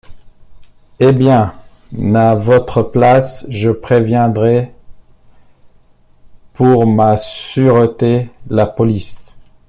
Eh bien! n’à votre place, je préviendrais, pour ma sûreté, la police.